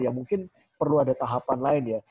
ya mungkin perlu ada tahapan lain ya